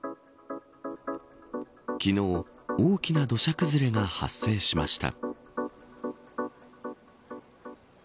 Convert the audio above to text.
昨日、大きな土砂崩れが発生しました。